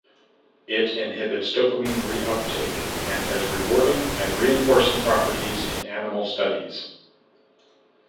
It inhibits dopamine reuptake and has rewarding and reinforcing properties in animal studies.